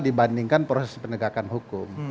dibandingkan proses penegakan hukum